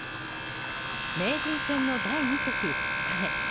名人戦の第２局２日目。